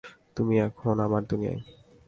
তুমি এখন আমার দুনিয়ায়।